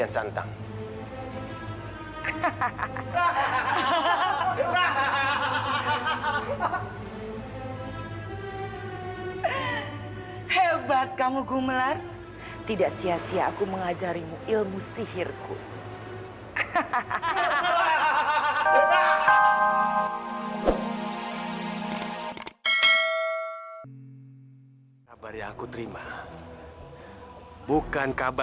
sampai jumpa di video selanjutnya